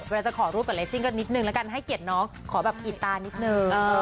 จะขอรูปกับเลซิ่งก็นิดนึงแล้วกันให้เกียรติน้องขอแบบอิดตานิดนึง